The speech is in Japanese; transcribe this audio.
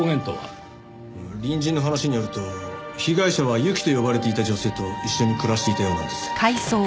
隣人の話によると被害者はユキと呼ばれていた女性と一緒に暮らしていたようなんです。